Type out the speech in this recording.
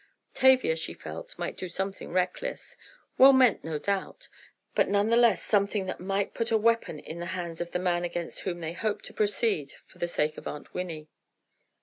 Tavia, she felt, might do something reckless—well meant, no doubt, but none the less something that might put a weapon in the hands of the man against whom they hoped to proceed for the sake of Aunt Winnie.